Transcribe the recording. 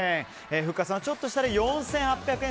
ふっかさんはちょっと下で４８００円。